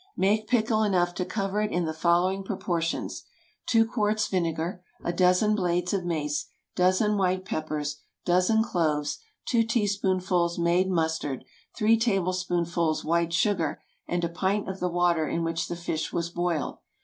Make pickle enough to cover it in the following proportions: 2 quarts vinegar, a dozen blades of mace, dozen white peppers, dozen cloves, two teaspoonfuls made mustard, three tablespoonfuls white sugar, and a pint of the water in which the fish was boiled.